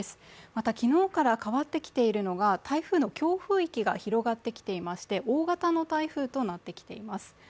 また昨日から変わってきているのが台風の強風域が広がってきていまして大型の台風となってきています。